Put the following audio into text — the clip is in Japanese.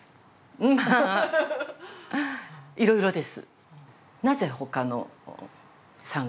まあいろいろです。